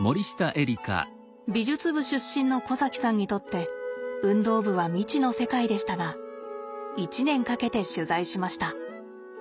美術部出身のこざきさんにとって運動部は未知の世界でしたが１年かけて取材しました。